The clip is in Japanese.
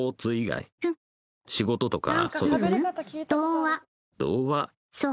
「仕事とか？」